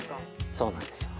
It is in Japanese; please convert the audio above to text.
◆そうなんですよね。